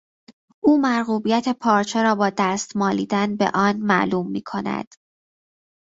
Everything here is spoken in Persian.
او مرغوبیت پارچه را با دست مالیدن، به آن معلوم میکند.